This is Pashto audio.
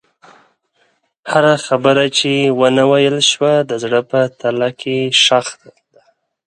هره خبره چې ونه ویل شوه، د زړه په تله کې ښخ ده.